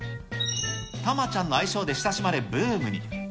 タマちゃんの愛称で親しまれブームに。